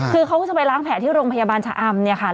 คือเขาเขาจะไปล้างแผลที่โรงพยาบาลชะอำ